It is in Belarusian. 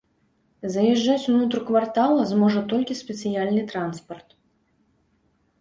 Заязджаць унутр квартала зможа толькі спецыяльны транспарт.